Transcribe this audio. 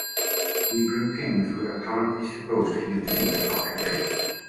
Hebrew kings were apparently supposed to heal disease and stop epidemics.